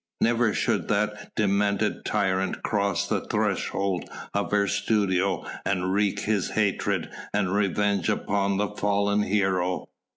Never should that demented tyrant cross the threshold of her studio and wreak his hatred and revenge upon the fallen hero.